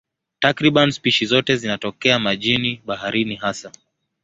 Takriban spishi zote zinatokea majini, baharini hasa.